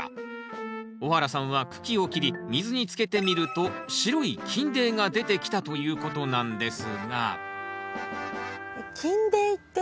小原さんは茎を切り水につけてみると白い菌泥が出てきたということなんですが菌泥って何ですか？